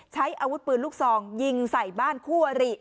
ใช้อาวุธปืนลูกซองยิงใส่บ้านคู่อริ